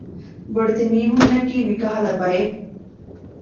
ބޮޑެތި މީހުންނަކީ މިކަހަލަ ބައެއް